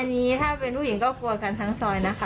อันนี้ถ้าเป็นผู้หญิงก็กลัวกันทั้งซอยนะคะ